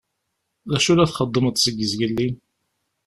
D acu i la txeddmeḍ seg zgelli?